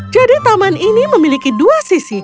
jadi taman ini memiliki dua sisi